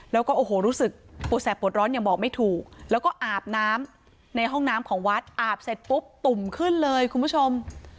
แล้วก็โอ้โหรู้สึกปวดแสบปวดร้อนยังบอกไม่ถูกแล้วก็อาบน้ำในห้องน้ำของวัดอาบเสร็จปุ๊บตุ่มขึ้นเลยคุณผู้ชม